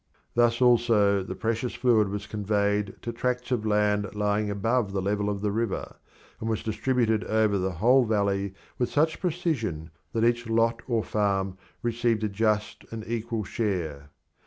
Thus also the precious fluid was conveyed to tracts of land lying above the level of the river, and was distributed over the whole valley with such precision that each lot or farm received a just and equal share.